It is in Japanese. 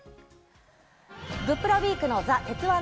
グップラウィークのＴｈｅ鉄腕！